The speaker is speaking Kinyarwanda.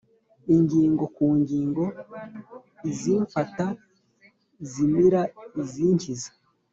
ingingo ku ngingo, izimfata zimira izinkiza,